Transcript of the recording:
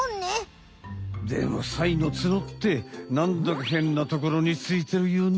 でもサイの角ってなんだかへんなところについてるよね？